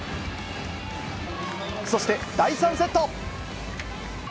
そして第３セット。